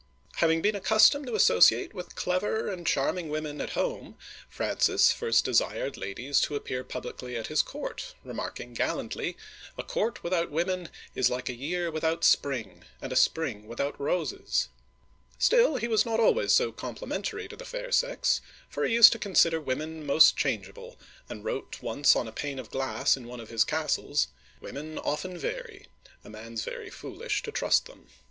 Having been accustomed to associate with clever, and charming women at home, Francis first desired ladies to appear publicly at his court, remarking gallantly, "A court without women is like a year without spring, and a spring without roses !" Still, he was not always so com uigiTizea Dy vjiOOQlC FRANCIS I. (1515 1547) 227 plimentary to the fair sex, for he used to consider women most changeable, and wrote once on a pane of glass in one of his castles :Women often vary ; a man's very foolish to trust them."